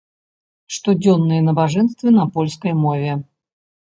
Штодзённыя набажэнствы на польскай мове.